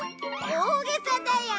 大げさだよ！